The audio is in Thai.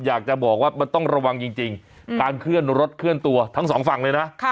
อยากจะบอกว่ามันต้องระวังจริงการเคลื่อนรถเคลื่อนตัวทั้งสองฝั่งเลยนะ